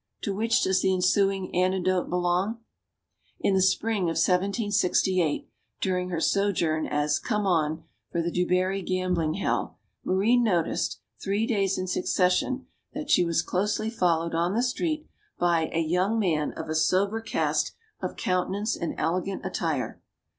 To which does the ensuing anecdote belong? In the spring of 1 768, during her sojourn as "come on" for the du Barry gambling hell, Marie noticed, three days in succession, that she was closely followed on the street by "a young man of a sober cast of countenance and elegant attire.